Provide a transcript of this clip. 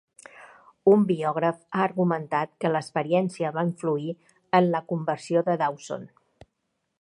Un biògraf ha argumentat que l'experiència va influir en la conversió de Dawson.